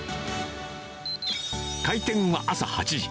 開店は朝８時。